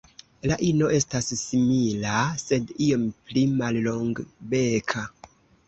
La ino estas simila, sed iom pli mallongbeka.